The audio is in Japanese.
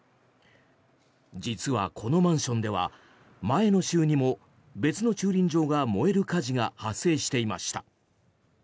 実はこのマンションでは前の週にも別の駐輪場が燃える火事が発生していました。